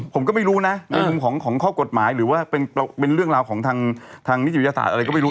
ผมก็ไม่รู้นะในมุมของข้อกฎหมายหรือว่าเป็นเรื่องราวของทางนิติวิทยาศาสตร์อะไรก็ไม่รู้